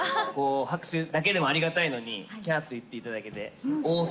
拍手だけでもありがたいのに、きゃーと言っていただけて、おー！